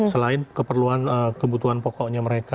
selain kebutuhan pokoknya mereka